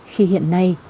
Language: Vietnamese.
khi hiện nay